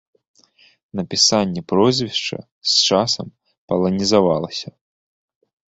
Напісанне прозвішча з часам паланізавалася.